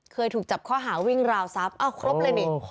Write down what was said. เคยถูกจับข้อหาวิ่งราวซับครบเลย